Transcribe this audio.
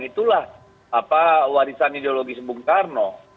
itulah warisan ideologis bung karno